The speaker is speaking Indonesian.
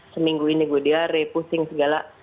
seminggu ini gue diare pusing segala